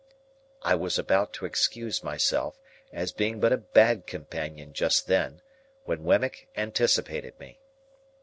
I was about to excuse myself, as being but a bad companion just then, when Wemmick anticipated me.